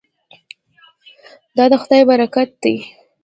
دا د خدای برکت دی.